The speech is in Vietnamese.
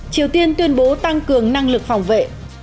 triều tiên tuyên bố tăng cường năng lực phòng vệ